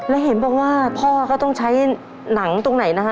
แล้วเห็นบอกว่าพ่อก็ต้องใช้หนังตรงไหนนะฮะ